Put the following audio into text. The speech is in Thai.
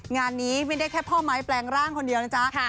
งานนี้ไม่ได้แค่พ่อไม้แปลงร่างคนเดียวนะจ๊ะ